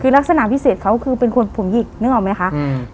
คือลักษณะพิเศษเขาคือเป็นคนผมหยิกนึกออกไหมคะอืม